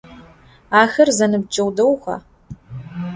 Axer zenıbceğu değuxa?